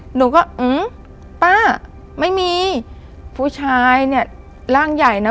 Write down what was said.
หนูก็อืมป้าไม่มีผู้ชายเนี่ยร่างใหญ่นะ